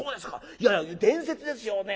いやいや伝説ですよね。